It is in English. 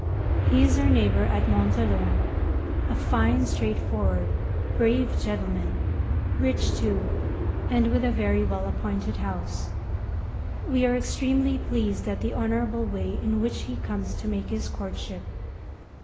He is our neighbour at Monthelon, a fine straightforward, brave gentleman, rich too, and with a very well appointed house. We are extremely pleased at the honourable way in which he comes to make his courtship.